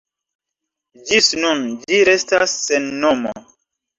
Ĝis nun, ĝi restas sen nomo.